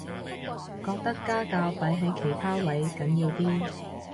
覺得家教擺喺其他位緊要啲